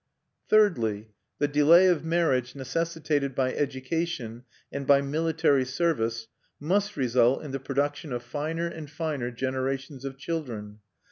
Thirdly, the delay of marriage necessitated by education and by military service must result in the production of finer and finer generations of children.